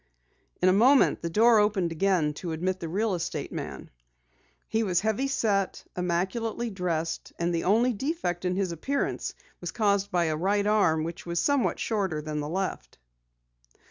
In a moment the door opened again to admit the real estate man. He was heavy set, immaculately dressed, and the only defect in his appearance was caused by a right arm which was somewhat shorter than the left.